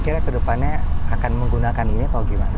kira kira kedepannya akan menggunakan ini atau gimana